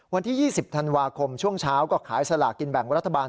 วันที่๒๐ธันวาคมช่วงเช้าก็ขายสลากกินแบ่งรัฐบาล